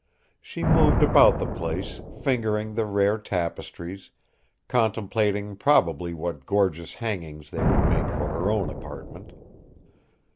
She moved about the place, fingering the rare tapestries, contemplating probably what gorgeous hangings they would make for her own apartment.